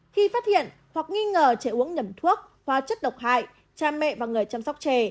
khi phát hiện hoặc nghi ngờ trẻ uống nhầm thuốc hoa chất độc hại cha mẹ và người chăm sóc trẻ